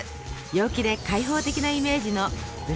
陽気で開放的なイメージのブラジル。